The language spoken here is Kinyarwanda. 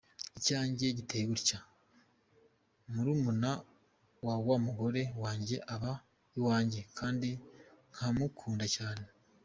Icyanjye giteye gutya: Murumuna wa w’umugore wanjye aba iwanjye kandi nkamukunda cyane.